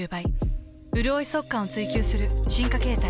うるおい速乾を追求する進化形態。